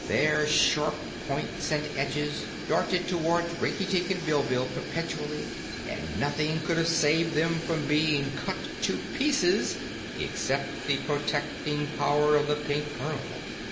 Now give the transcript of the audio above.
Their sharp points and edges darted toward Rinkitink and Bilbil perpetually and nothing could have saved them from being cut to pieces except the protecting power of the Pink Pearl.